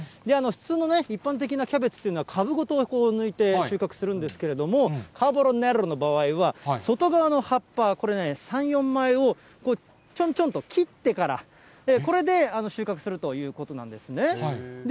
普通の、一般的なキャベツというのは、株ごと抜いて収穫するんですけども、カーボロネロの場合は、外側の葉っぱ、これね、３、４枚をちょんちょんと切ってから、これで収穫するということなんですね。